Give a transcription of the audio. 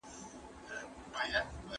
اشرف یې زندان ته ولیږه.